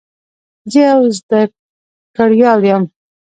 زه یو زده کړیال یم.